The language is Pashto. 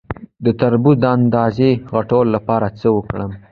د تربوز د اندازې غټولو لپاره څه وکړم؟